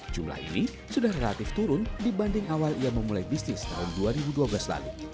jumlah ini sudah relatif turun dibanding awal ia memulai bisnis tahun dua ribu dua belas lalu